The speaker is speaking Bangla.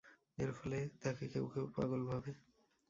এর ফলে তাকে কেউ কেউ পাগল ভাবে।